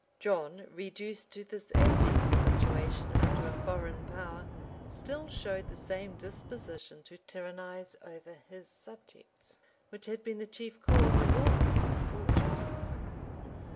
John, reduced to this abject situation under a foreign power, still showed the same disposition to tyrannize over his subjects, which had been the chief cause of all his misfortunes.